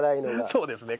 そうですね。